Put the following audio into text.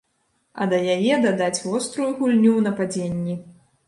А да яе дадаць вострую гульню ў нападзенні.